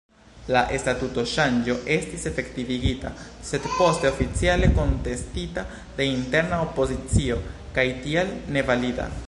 La statutoŝanĝo estis efektivigita, sed poste oficiale kontestita de interna opozicio, kaj tial nevalida.